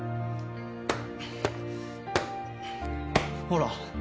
ほら。